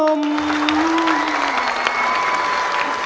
เพลงพร้อมร้องได้ให้ล้าน